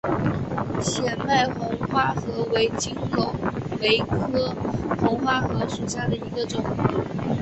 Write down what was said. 显脉红花荷为金缕梅科红花荷属下的一个种。